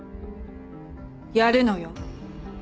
やるのよ。